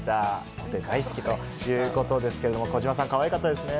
お手が大好きということですけれども、児嶋さん、かわいかったですね。